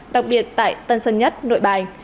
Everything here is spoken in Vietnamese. đặc biệt tại tân sân nhất nội bài